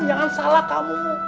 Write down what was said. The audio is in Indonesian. jangan salah kamu